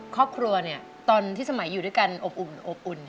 ครอบครัวเนี่ยตอนที่สมัยอยู่ด้วยกันอบอุ่นอบอุ่น